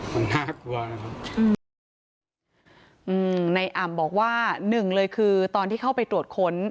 มันน่ากลัวนะครับอืมในอ่ำบอกว่าหนึ่งเลยคือตอนที่เข้าไปตรวจค้น